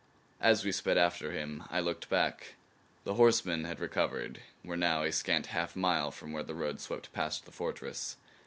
As we sped after him I looked back. The horsemen had recovered, were now a scant half mile from where the road swept past the fortress.